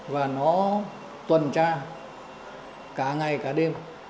và nó tuần tra cả ngày cả đêm